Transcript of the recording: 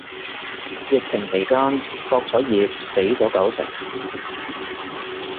疫情期間博彩業死咗九成